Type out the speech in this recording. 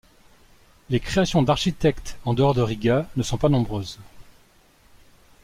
Les créations d'architecte en dehors de Riga ne sont pas nombreuses.